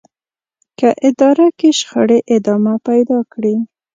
که اداره کې شخړې ادامه پيدا کړي.